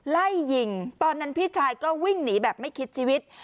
ไล่ยิงตอนนั้นพี่ชายก็วิ่งหนีแบบไม่คิดชีวิต